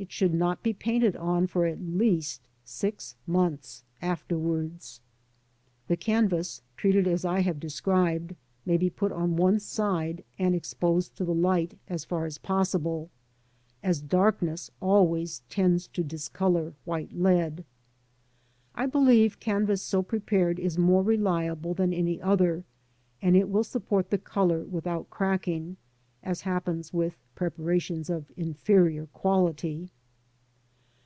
It should not be painted on for at least six months afterwards. The canvas, treated as I have described, may be put on one side and exposed to the light as far as possible, as darkness always tends to discolour white lead. I believe canvas so prepared is more reliable than any other, and it will support the colour without cracking, as happens with preparations of inferior quality.